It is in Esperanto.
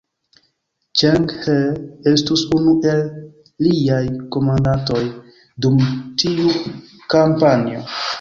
Ĉeng He estus unu el liaj komandantoj dum tiu kampanjo.